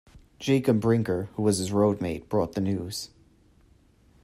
Jacob Brinker, who was his roadmate, brought the news.